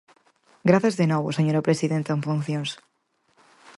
Grazas de novo, señora presidenta en funcións.